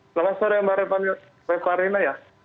selamat sore mbak rifana